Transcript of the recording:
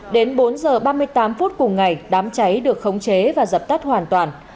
đến bốn h ba mươi tám phút cùng ngày đám cháy được khống chế và dập tắt hoàn toàn